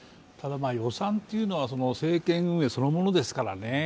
ただ予算っていうのは、政権運営そのものですからね。